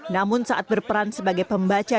namun saat berperan sebagai pembaca